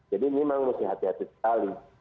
jadi memang harus hati hati sekali